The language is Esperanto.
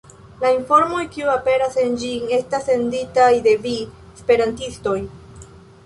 La informoj, kiuj aperas en ĝi, estas senditaj de vi, esperantistoj.